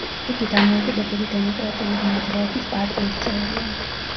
იგი დამოუკიდებელი დემოკრატიული მოძრაობის პარტიის წევრია.